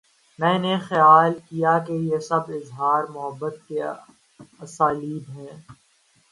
میں نے خیال کیا کہ یہ سب اظہار محبت کے اسالیب ہیں۔